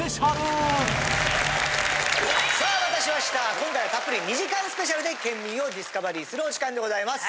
今回はたっぷり２時間スペシャルで県民をディスカバリーするお時間でございます。